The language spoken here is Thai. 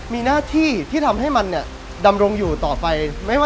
มีหน้าที่ที่ทำให้มันดำรงอยู่ต่อไป